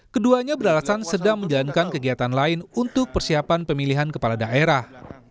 keduanya beralasan sedang menjalankan kegiatan lain untuk persiapan pemilihan kepala daerah